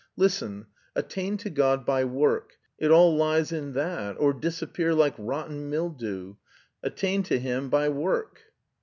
Listen. Attain to God by work; it all lies in that; or disappear like rotten mildew. Attain to Him by work."